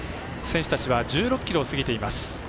選手たちは１６ｋｍを過ぎています。